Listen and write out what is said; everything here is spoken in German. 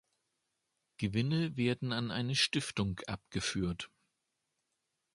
Gewinne werden an eine Stiftung abgeführt.